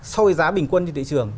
so với giá bình quân trên thị trường